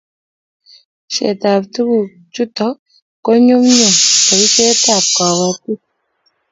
Poshet ab tuguk chutok ko nyumnyumi poshet ab kabatik